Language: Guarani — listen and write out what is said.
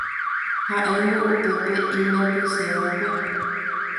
ha'éngo upépe iñapysẽva'ekue